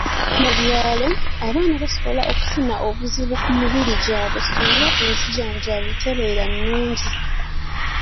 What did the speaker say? Mu byalo, abaana basobola okufuna obuzibu ku mibiri gyabwe singa enzijjanjaba tebeera nungi.